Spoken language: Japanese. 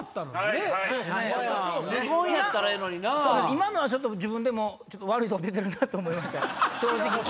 今のはちょっと自分でも悪いとこ出てるなと思いました。